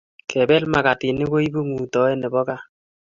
Kepel makatinik koipu ngutoet nebo kaa